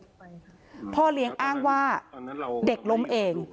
พ่อเลี้ยงอ้างว่าเด็กล้มเอง